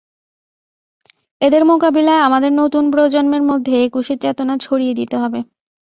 এদের মোকাবিলায় আমাদের নতুন প্রজন্মের মধ্যে একুশের চেতনা ছড়িয়ে দিতে হবে।